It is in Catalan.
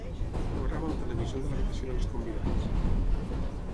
Programa el televisor de l'habitació dels convidats.